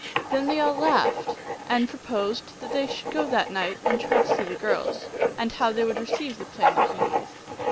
" Then they all laughed, and proposed that they should go that night and try to see the girls, and how they would receive the plain looking youth.